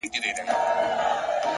هدف واضح وي نو وېره کمېږي!